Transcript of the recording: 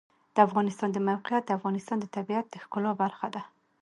د افغانستان د موقعیت د افغانستان د طبیعت د ښکلا برخه ده.